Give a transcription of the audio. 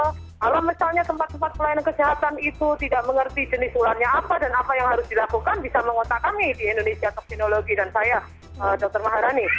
kalau misalnya tempat tempat pelayanan kesehatan itu tidak mengerti jenis ularnya apa dan apa yang harus dilakukan bisa mengotak kami di indonesia toksinologi dan saya dr maharani